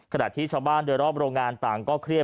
ขณะที่ชาวบ้านโดยรอบโรงงานต่างก็เครียด